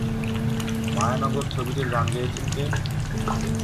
মায়ানগর ছবিটির গান গেয়েছেন কে?